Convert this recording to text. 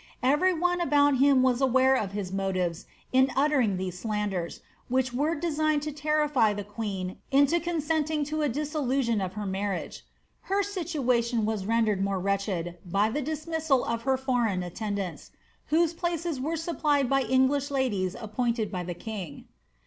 Every one about him was aware of his motives in uttering these slanders, which were designed to terrify the queen into consenting to a dissolution of her marriage. Her situation was rendered more wretched by the dismissal of her foreign attendants, whose places were supplied by English ladies appointed by the king.